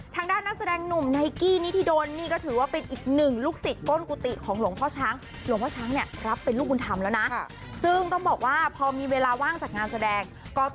ทางด้านนักแสดงหนุ่มไนกี้นี่ที่โดนนี่ก็ถือว่าเป็นอีกหนึ่งลูกศิษย์